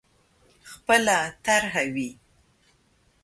خپله طرح وي.